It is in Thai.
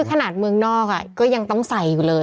ขนาดเมืองนอกก็ยังต้องใส่อยู่เลย